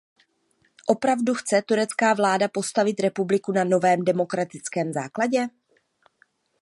Opravdu chce turecká vláda postavit republiku na novém demokratickém základě?